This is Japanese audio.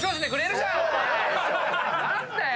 何だよ。